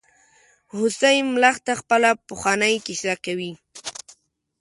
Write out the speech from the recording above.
هوسۍ ملخ ته خپله پخوانۍ کیسه کوي.